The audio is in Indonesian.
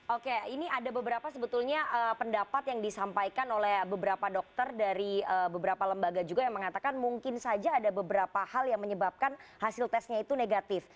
oke ini ada beberapa sebetulnya pendapat yang disampaikan oleh beberapa dokter dari beberapa lembaga juga yang mengatakan mungkin saja ada beberapa hal yang menyebabkan hasil tesnya itu negatif